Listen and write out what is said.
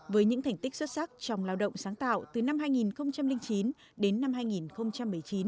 với những thành tích xuất sắc trong lao động sáng tạo từ năm hai nghìn chín đến năm hai nghìn một mươi chín